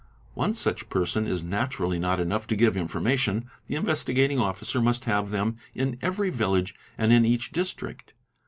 One such person is naturally not enough to give information, the Investigating Officer must have _ them in every village and in each district.